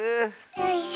よいしょ。